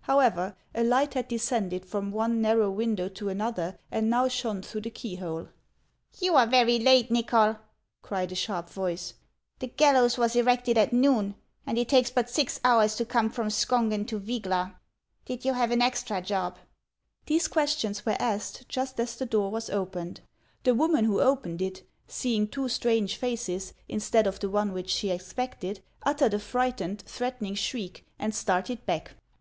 However, a light had descended from one narrow win dow to another, and now shone through the key hole. " You are very late, Nychol !" cried a sharp voice ;" the gallows was erected at noon, and it takes but six hours to come from Skougeu to Vygla. Did you have an extra job?" These questions were asked just as the door was opened. The woman who opened it, seeing two strange faces in stead of the one which she expected, uttered a frightened, threatening shriek, and started back.